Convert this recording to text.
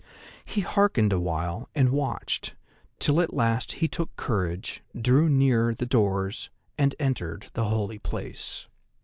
He hearkened awhile, and watched, till at last he took courage, drew near the doors, and entered the holy place.